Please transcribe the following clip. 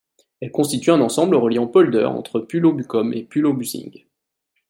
Elle constitue un ensemble relié en polders entre Pulau Bukom et Pulau Busing.